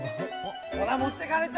ほらもってかれた！